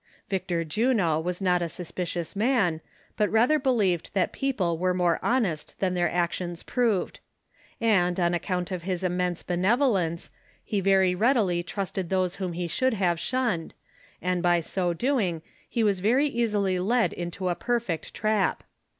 Victor Juno was not a suspicious man, but rather be lieved that people were more honest than their actions proved; and, on account of his immense benevolence, he very readily trusted those whom he should have shunned, and by so doing he was very easily led into a perfect trap.